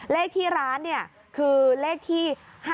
เลขที่ร้านคือเลขที่๕๗